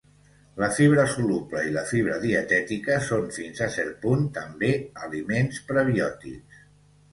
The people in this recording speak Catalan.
La fibra soluble i la fibra dietètica són fins a cert punt també aliments prebiòtics.